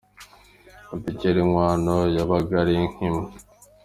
Ati “Kera inkwano yabaga ari inka imwe.